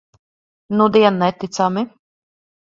Nudien neticami.